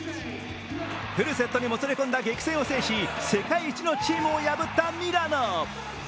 フルセットにもつれ込んだ激戦を制して世界一のチームを破ったミラノ。